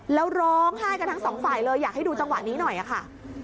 แล้วร้องไห้กันทั้งสองฝ่ายเลยอยากให้ดูจังหวะนี้หน่อยค่ะ